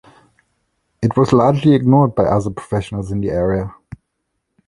It was largely ignored by other professionals in the area.